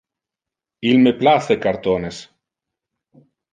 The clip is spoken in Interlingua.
Il me place cartones.